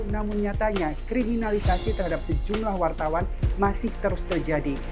namun nyatanya kriminalisasi terhadap sejumlah wartawan masih terus terjadi